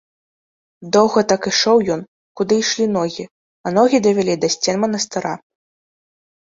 Доўга так ішоў ён, куды ішлі ногі, а ногі давялі да сцен манастыра.